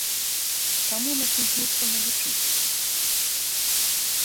Чаму нас імкнуцца навучыць?